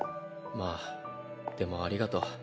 まあでもありがとう。